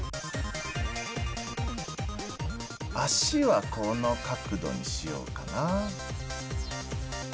脚はこの角度にしようかな。